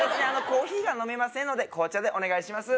コーヒーが飲めませんので紅茶でお願いします